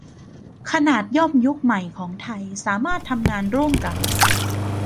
ขนาดย่อมยุคใหม่ของไทยสามารถทำงานร่วมกับ